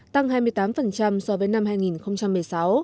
tăng hai mươi tám so với năm hai nghìn một mươi sáu